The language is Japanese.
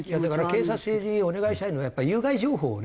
警察にお願いしたいのはやっぱり有害情報をね